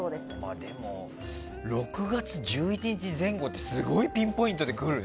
でも、６月１１日前後ってすごいピンポイントでくるね。